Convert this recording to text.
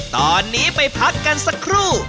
ตอนนี้ไปพักกันสักครู่